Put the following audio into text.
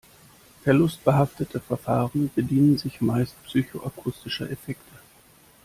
Verlustbehaftete Verfahren bedienen sich meistens psychoakustischer Effekte.